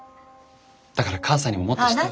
だから母さんにももっと知って。